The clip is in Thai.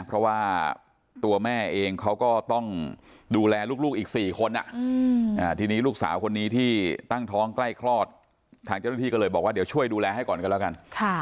เพราะว่าตัวแม่เองเขาก็ต้องดูแลลูกอีก๔คนทีนี้ลูกสาวคนนี้ที่ตั้งท้องใกล้คลอดทางเจ้าหน้าที่ก็เลยบอกว่าเดี๋ยวช่วยดูแลให้ก่อนกันแล้วกัน